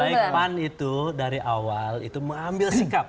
baik pan itu dari awal itu mengambil sikap